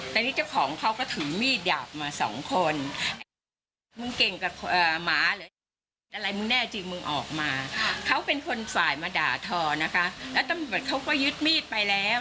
ถ้ายิงอย่างเนี้ยถ้าเขาจะยิงจริงจริงอะมันโดนเขาตายไปแล้ว